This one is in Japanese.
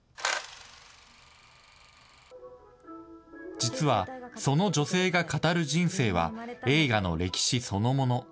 実はその女性がかたる人生は、映画の歴史そのもの。